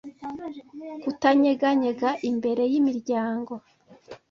kutanyeganyega imbere y'imiryango